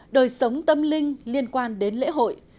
đời sống tâm linh liên quan đến lễ hội